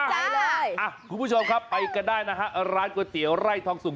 ใจเลยอ่ะคุณผู้ชมครับไปกันได้นะฮะร้านก๋วยเตี๋ยวไร่ทองสุก